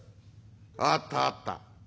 あったあった。